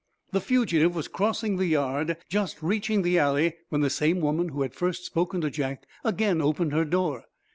The fugitive was crossing the yard, just reaching the alley, when the same woman who had first spoken to Jack again opened her door.